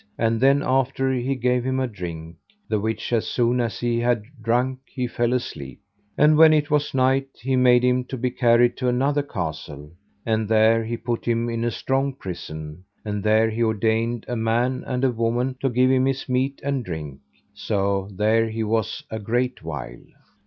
And then after he gave him a drink, the which as soon as he had drunk he fell asleep. And when it was night he made him to be carried to another castle, and there he put him in a strong prison, and there he ordained a man and a woman to give him his meat and drink. So there he was a great while.